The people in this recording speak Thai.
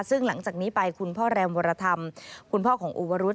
ซึ่งหลังจากนี้ไปคุณพ่อแรมวรธรรมคุณพ่อของโอวรุธ